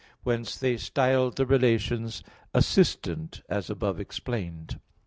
Whence, they styled the relations "assistant," as above explained (Q.